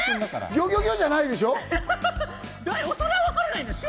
ギョギョギョじゃないでしょ？